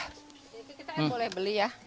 kita boleh beli ya